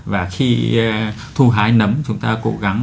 và khi thu hái nấm chúng ta cố gắng